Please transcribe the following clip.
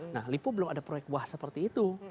nah lipu belum ada proyek wah seperti itu